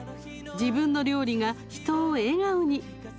自分の料理が人を笑顔に。